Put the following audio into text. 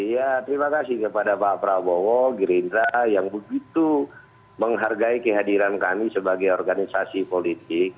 ya terima kasih kepada pak prabowo gerindra yang begitu menghargai kehadiran kami sebagai organisasi politik